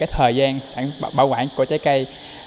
thời gian bảo quản trái cây